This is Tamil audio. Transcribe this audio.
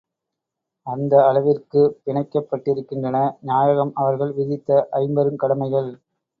அந்த அளவிற்குப் பிணைக்கப் பட்டிருக்கின்றன நாயகம் அவர்கள் விதித்த ஐம்பெருங் கடமைகள்.